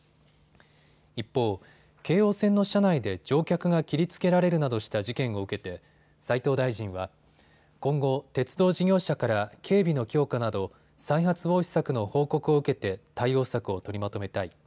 一方、京王線の車内で乗客が切りつけられるなどした事件を受けて斉藤大臣は今後、鉄道事業者から警備の強化など再発防止策の報告を受けて対応策を取りまとめたい。